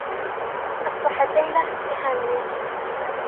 أصبحت ليلى نهاميّة.